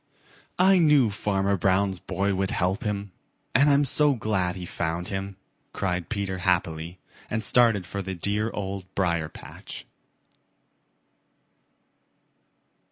"I knew Farmer Brown's boy would help him, and I'm so glad he found him," cried Peter happily and started for the dear Old Briar patch.